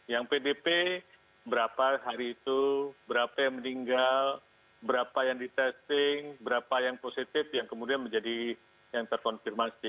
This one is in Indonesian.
yang pdp berapa hari itu berapa yang meninggal berapa yang di testing berapa yang positif yang kemudian menjadi yang terkonfirmasi